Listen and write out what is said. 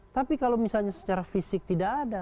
tapi kalau misalnya secara fisik tidak ada